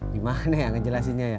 gimana yang jelasinnya ya